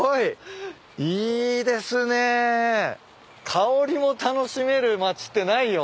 香りも楽しめる町ってないよ。